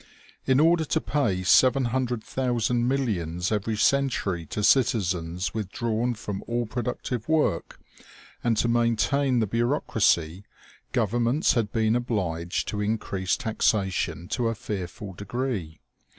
In order to pay 700,000 millions every century to citizens withdrawn from all productive work, and to maintain the bureau cracy, governments had been obliged to increase taxa tion to a fearful degree.